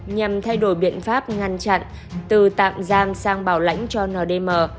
nhằm thay đổi biện pháp ngăn chặn từ tạm giam sang bảo lãnh cho ndm